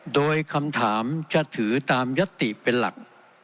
โดยคำถามจะถือตามยติเป็นหลัก